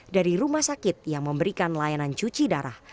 dari rumah sakit yang memberikan layanan cuci darah